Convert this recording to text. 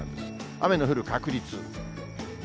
雨の降る確率。